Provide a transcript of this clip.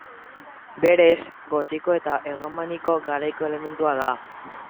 Berez, gotiko eta erromaniko garaiko elementua da.